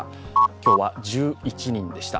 今日は１１人でした。